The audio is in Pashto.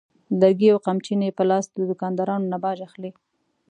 لرګي او قمچینې په لاس د دوکاندارانو نه باج اخلي.